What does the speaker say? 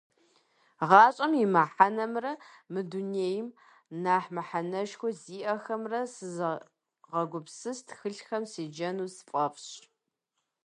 ГъащӀэм и мыхьэнэмрэ мы дунейм нэхъ мыхьэнэшхуэ зиӏэхэмрэ сезыгъэгупсыс тхылъхэм седжэну сфӀэфӀщ.